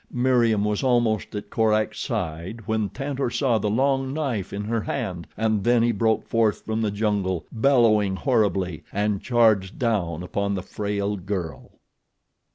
Meriem was almost at Korak's side when Tantor saw the long knife in her hand, and then he broke forth from the jungle, bellowing horribly, and charged down upon the frail girl.